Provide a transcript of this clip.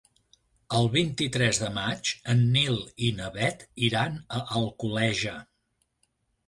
El vint-i-tres de maig en Nil i na Bet iran a Alcoleja.